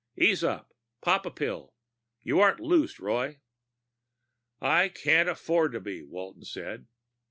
Ease up. Pop a pill. You aren't loose, Roy." "I can't afford to be," Walton said.